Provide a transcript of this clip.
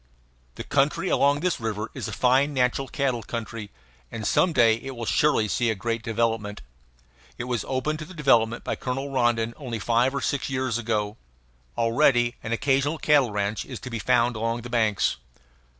The country along this river is a fine natural cattle country, and some day it will surely see a great development. It was opened to development by Colonel Rondon only five or six years ago. Already an occasional cattle ranch is to be found along the banks.